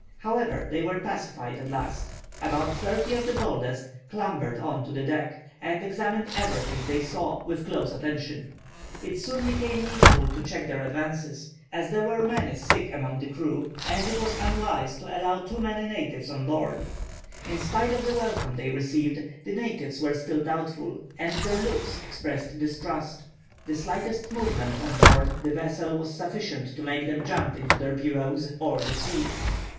However, they were pacified at last. About thirty of the boldest clambered on to the deck, and examined everything they saw with close attention. It soon became needful to check their advances, as there were many sick among the crew, and it was unwise to allow too many natives on board. [Illustration: Pirogues of the Admiralty Islands. (Fac simile of early engraving.)] In spite of the welcome they received, the natives were still doubtful, and their looks expressed distrust. The slightest movement on board the vessel was sufficient to make them jump into their pirogues, or the sea.